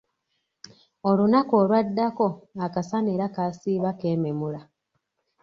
Olunaku olwaddako, akasana era kaasiiba keememula.